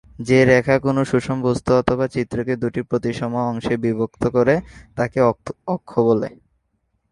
যে রেখা কোনো সুষম বস্তু অথবা চিত্রকে দু'টি প্রতিসম অংশে বিভক্ত করে তাকে অক্ষ বলে।